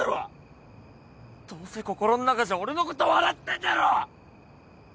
どうせ心ん中じゃ俺のこと笑ってんだろ！